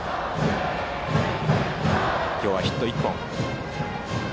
今日はヒット１本。